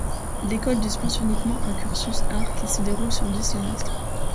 L’école dispense uniquement un cursus art qui se déroule sur dix semestres.